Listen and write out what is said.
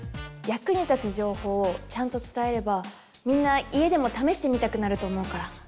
役に立つ情報をちゃんと伝えればみんな家でも試してみたくなると思うから。